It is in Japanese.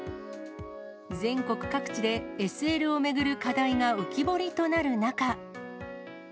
全国各地でＳＬを巡る課題が浮き彫りとなる中。